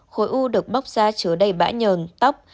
khối u được bóc ra chứa đầy bã nhờn tóc